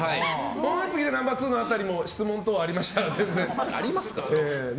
本厚木でナンバー２辺りも質問ありましたら。